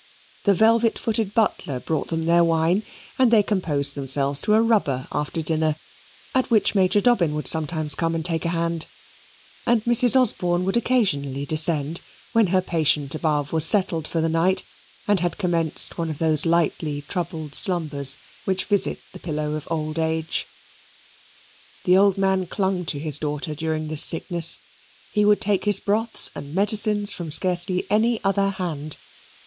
The velvet footed butler brought them their wine, and they composed themselves to a rubber after dinner, at which Major Dobbin would sometimes come and take a hand; and Mrs. Osborne would occasionally descend, when her patient above was settled for the night, and had commenced one of those lightly troubled slumbers which visit the pillow of old age. The old man clung to his daughter during this sickness. He would take his broths and medicines from scarcely any other hand.